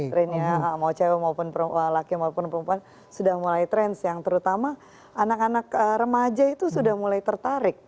trendnya mau cewek maupun laki maupun perempuan sudah mulai trend yang terutama anak anak remaja itu sudah mulai tertarik